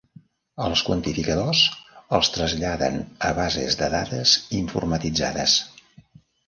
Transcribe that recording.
Els quantificadors els traslladen a bases de dades informatitzades.